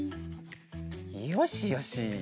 よしよし。